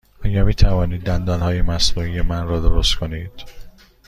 آیا می توانید دندانهای مصنوعی مرا درست کنید؟